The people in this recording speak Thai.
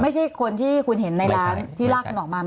ไม่ใช่คนที่คุณเห็นในร้านที่ลากคุณออกมา